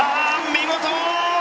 見事！